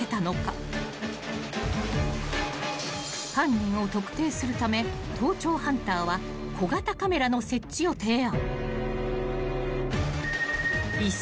［犯人を特定するため盗聴ハンターは小型カメラの設置を提案］